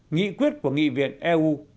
nghị quyết của nghị viện eu